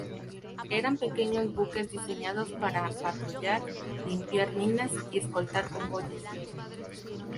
Eran pequeños buques diseñados para patrullar, limpiar minas y escoltar convoyes.